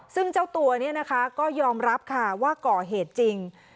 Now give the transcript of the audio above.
ซึ่งเจ้าตัวนี้นะคะก็ยอมรับค่ะว่าก่อเหตุจริง